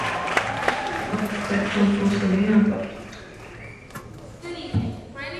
Bande passante consommée importante.